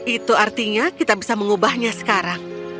itu artinya kita bisa mengubahnya sekarang